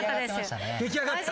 出来上がってた。